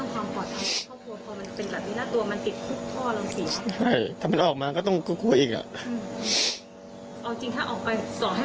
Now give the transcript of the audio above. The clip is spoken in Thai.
ใช่ถ้ามันออกมาก็ต้องกลัวกลัวอีกละ